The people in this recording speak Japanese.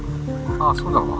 ああそうだわ